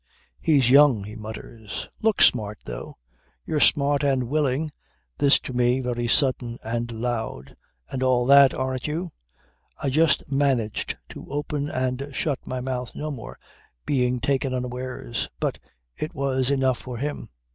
"He's young," he mutters. "Looks smart, though ... You're smart and willing (this to me very sudden and loud) and all that, aren't you?" "I just managed to open and shut my mouth, no more, being taken unawares. But it was enough for him.